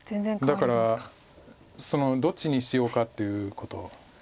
だからどっちにしようかということを。